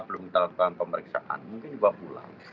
belum ditangkap dalam pemeriksaan mungkin juga pulang